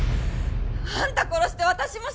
あんた殺して私も死ぬから！